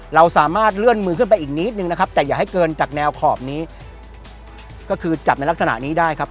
เราสามารถเลื่อนมือขึ้นไปอีกนิดนึงนะครับแต่อย่าให้เกินจากแนวขอบนี้ก็คือจับในลักษณะนี้ได้ครับ